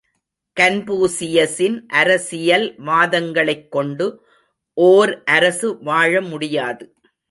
கன்பூசியசின் அரசியல் வாதங்களைக் கொண்டு ஓர் அரசு வாழமுடியாது.